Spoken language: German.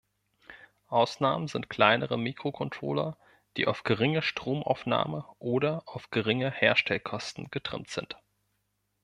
Ausnahmen sind kleinere Mikrocontroller, die auf geringe Stromaufnahme oder auf geringe Herstellkosten getrimmt sind.